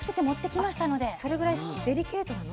それぐらいデリケートなの？